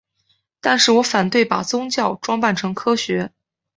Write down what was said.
但是我反对把宗教装扮成科学。